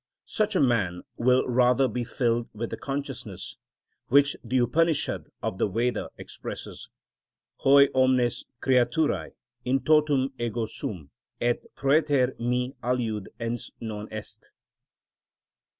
Such a man will rather be filled with the consciousness, which the Upanishad of the Veda expresses: Hæ omnes creaturæ in totum ego sum, et præter me aliud ens non est (Oupnek'hat, i.